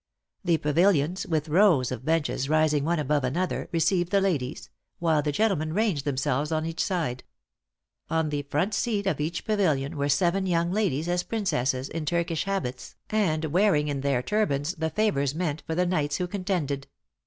The pavilions, with rows of benches rising one above another, received the ladies, while the gentlemen ranged themselves on each side. On the front seat of each pavilion were seven young ladies as princesses, in Turkish habits, and wearing in their turbans the favors meant for the knights who contended.